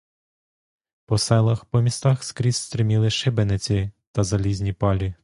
По селах, по містах скрізь стриміли шибениці та залізні палі.